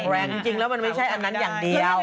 แรงจริงแล้วมันไม่ใช่อันนั้นอย่างเดียว